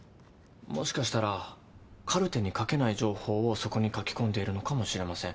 もしかしたらカルテに書けない情報をそこに書き込んでいるのかもしれません。